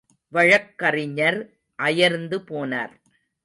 வழக்கறிஞர் அயர்ந்து போனார்.